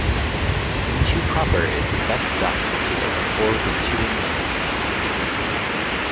Wintu proper is the best documented of the four Wintuan languages.